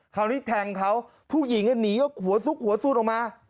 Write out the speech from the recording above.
คราวนี้แทงเขาผู้หญิงหนีเอาหัวซุกหัวซูดออกมา